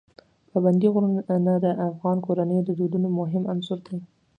پابندی غرونه د افغان کورنیو د دودونو مهم عنصر دی.